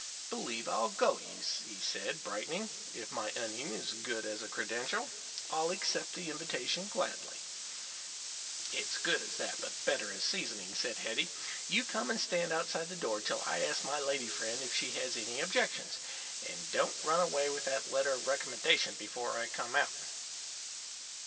"Believe I'll go you," he said, brightening. "If my onion is good as a credential, I'll accept the invitation gladly." "It's good as that, but better as seasoning," said Hetty. "You come and stand outside the door till I ask my lady friend if she has any objections. And don't run away with that letter of recommendation before I come out."